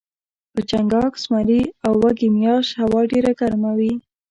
په چنګاښ ، زمري او وږي میاشت هوا ډیره ګرمه وي